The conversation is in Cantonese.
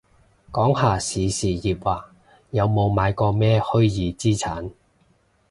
講下時事熱話，有冇買過咩虛擬資產